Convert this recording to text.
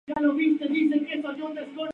Finaliza en la Avenida General Paz.